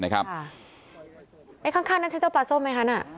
ข้างนั้นใช้เจ้าปลาส้มไหมคะน่ะ